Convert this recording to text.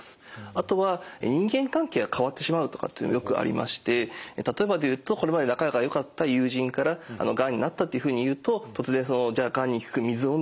あとは人間関係が変わってしまうとかっていうのよくありまして例えばで言うとこれまで仲がよかった友人からがんになったっていうふうに言うと突然「じゃあがんに効く水を飲んでみたらどう？」